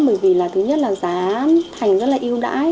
bởi vì là thứ nhất là giá thành rất là yêu đãi